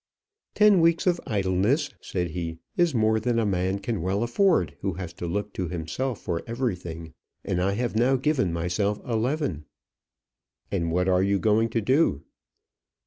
"Ten weeks of idleness," said he, "is more than a man can well afford who has to look to himself for everything; and I have now given myself eleven." "And what are you going to do?"